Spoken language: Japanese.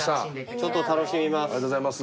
ちょっと楽しみます。